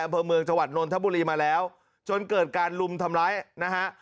อำเภอเมืองจังหวัดนนทบุรีมาแล้วจนเกิดการลุมทำร้ายนะฮะ